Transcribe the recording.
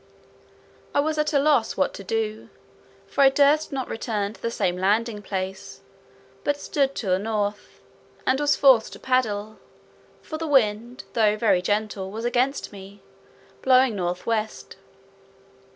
I was at a loss what to do, for I durst not return to the same landing place, but stood to the north, and was forced to paddle, for the wind, though very gentle, was against me, blowing north west.